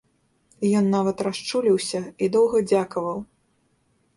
Ён нават расчуліўся і доўга дзякаваў.